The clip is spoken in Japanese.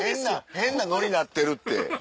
変なノリになってるって。